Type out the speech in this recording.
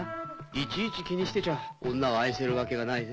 いちいち気にしてちゃ女を愛せるわけがないぜ。